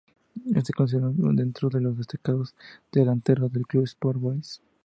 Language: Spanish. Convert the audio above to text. Está considerado dentro de los destacados delanteros del Club Sport Boys.